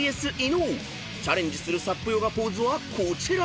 ［チャレンジするＳＵＰヨガポーズはこちら］